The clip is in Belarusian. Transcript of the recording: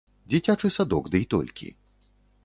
Дзіцячы садок дый толькі.